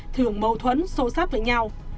thường mâu thuẫn xô xáp với nhau